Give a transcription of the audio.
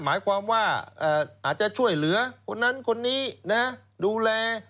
หมายความว่าอาจจะช่วยเหลือคนนั้นคนนี้นะดูแล